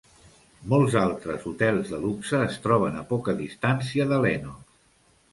Molts altres hotels de luxe es troben a poca distància de Lenox.